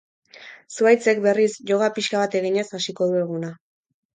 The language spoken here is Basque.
Zuhaitzek, berriz, yoga pixka bat eginez hasiko du eguna.